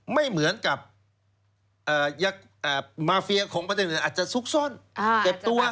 ไม่เหมือนกับมาเฟียของประเทศอื่นอาจจะซุกซ่อนเก็บตัว